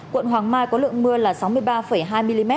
quận hoàng mai có lượng mưa là sáu mươi ba hai mm